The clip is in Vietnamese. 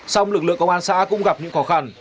song lực lượng công an xã cũng gặp những khó khăn